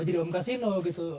jadi om casino gitu